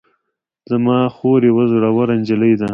زما خور یوه زړوره نجلۍ ده